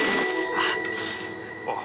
あっ。